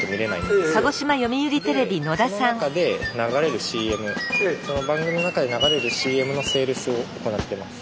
でその中で流れるＣＭその番組の中で流れるＣＭのセールスを行ってます。